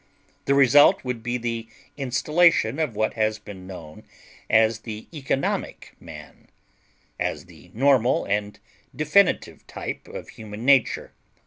The result would be the installation of what has been known as the "economic man," as the normal and definitive type of human nature.